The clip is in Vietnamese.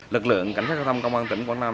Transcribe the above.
lực lượng cảnh sát giao thông công an tỉnh quảng nam